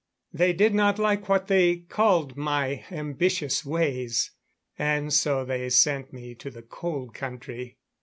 They did not like what they called my ambitious ways and so they sent me to the Cold Country.